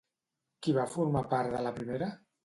Qui va formar part de la primera?